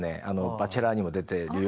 『バチェラー』にも出てるような。